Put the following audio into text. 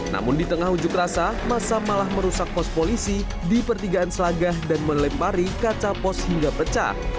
namun di tengah ujuk rasa masa malah merusak pos polisi di pertigaan selagah dan melempari kaca pos hingga pecah